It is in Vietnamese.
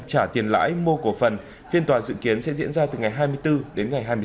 trả tiền lãi mua cổ phần phiên toàn dự kiến sẽ diễn ra từ ngày hai mươi bốn đến ngày hai mươi sáu tháng một